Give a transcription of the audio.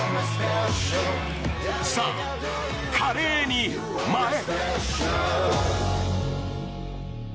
さあ、華麗に舞え。